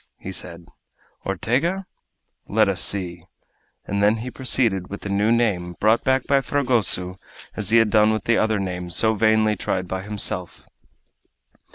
he said "Ortega? Let us see," and then he proceeded with the new name brought back by Fragoso as he had done with the other names so vainly tried by himself.